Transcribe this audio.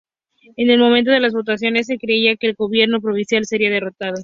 En el momento de las votaciones, se creía que el Gobierno provisional sería derrotado.